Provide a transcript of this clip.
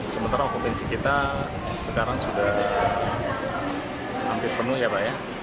sementara okupansi kita sekarang sudah hampir penuh ya pak ya